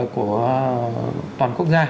của toàn quốc gia